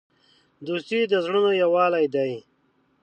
دوستي د زړونو یووالی دی.